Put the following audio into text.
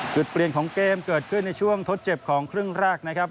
จุดเปลี่ยนของเกมเกิดขึ้นในช่วงทดเจ็บของครึ่งแรกนะครับ